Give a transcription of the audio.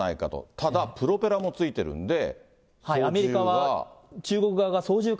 ただ、プロペラもついてるんで、操縦は。